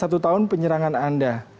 satu tahun penyerangan anda